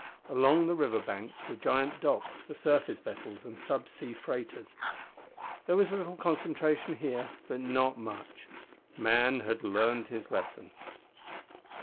Along the river banks were giant docks for surface vessels and sub sea freighters. There was a little concentration here, but not much. Man had learned his lesson.